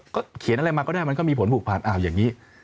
ก็เขียนอะไรมาก็ได้มันก็มีผลผูกพันอ้าวอย่างนี้